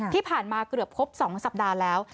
ที่ผ่านมาเกือบครบ๒สัปดาห์แล้ว